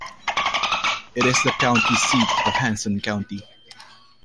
It is the county seat of Hanson County.